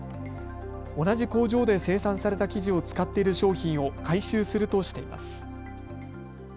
同じ工場で生産された生地を使っている商品を回収するとしています。